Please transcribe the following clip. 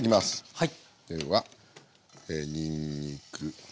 はい。